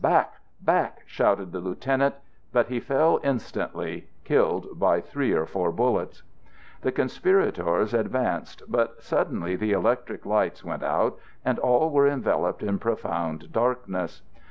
"Back, back!" shouted the Lieutenant; but he fell instantly, killed by three or four bullets. The conspirators advanced, but suddenly the electric lights went out, and all were enveloped in profound darkness.